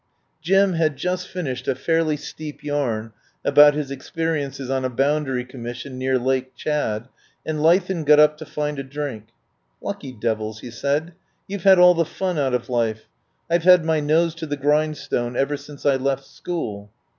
Jim had just finished a fairly steep yarn about his experiences on a Boundary Commission near Lake Chad, and Leithen got up to find a drink. "Lucky devils, ,, he said. "You've had all the fun out of life. I've had my nose to the grind stone ever since I left school."